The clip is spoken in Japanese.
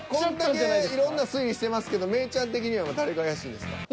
こんだけいろんな推理してますけど芽郁ちゃん的には誰が怪しいんですか？